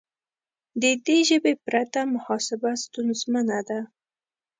د دې ژبې پرته محاسبه ستونزمنه ده.